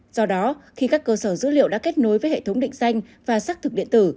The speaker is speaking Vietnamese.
do đó khi các cơ sở dữ liệu đã kết nối với hệ thống định danh và xác thực điện tử